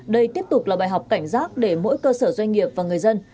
đây tiếp tục là bài học cảnh giác để mỗi cơ sở doanh nghiệp và người dân